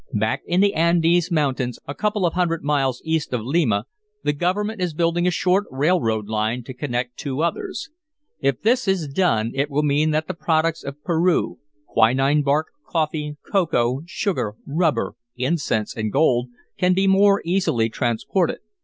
Back in the Andes Mountains, a couple of hundred miles east of Lima, the government is building a short railroad line to connect two others. If this is done it will mean that the products of Peru quinine bark, coffee, cocoa, sugar, rubber, incense and gold can more easily be transported.